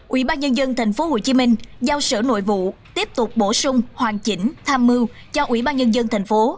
ủy ban nhân dân tp hcm giao sở nội vụ tiếp tục bổ sung hoàn chỉnh tham mưu cho ủy ban nhân dân tp